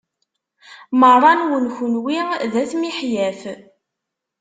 Meṛṛa-nwen kunwi d at miḥyaf.